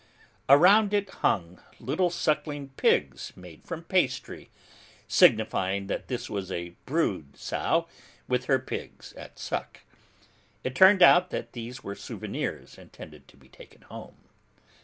Around it hung little suckling pigs made from pastry, signifying that this was a brood sow with her pigs at suck. It turned out that these were souvenirs intended to be taken home.